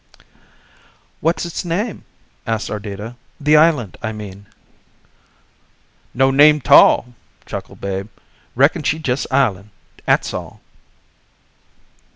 "What's its name," asked Ardita "the island, I mean?" "No name 'tall," chuckled Babe. "Reckin she jus' island, 'at's all."